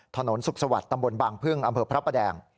ถนนสุขสวัสดิ์ตำบลบางพึ่งอำเภอพระประแดง